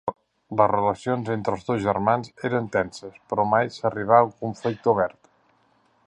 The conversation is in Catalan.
Les relacions entre els dos germans eren tenses, però mai s'arribà a un conflicte obert.